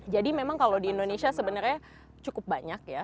jadi memang kalau di indonesia sebenarnya cukup banyak ya